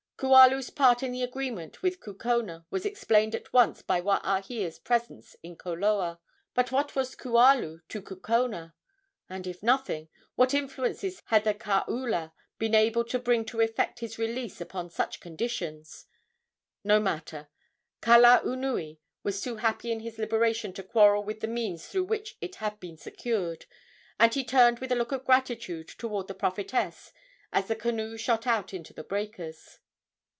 Kualu's part in the agreement with Kukona was explained at once by Waahia's presence in Koloa; but what was Kualu to Kukona? and, if nothing, what influences had the kaula been able to bring to effect his release upon such conditions? No matter. Kalaunui was too happy in his liberation to quarrel with the means through which it had been secured, and he turned with a look of gratitude toward the prophetess as the canoe shot out into the breakers.